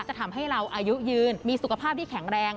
จะทำให้เราอายุยืนมีสุขภาพที่แข็งแรง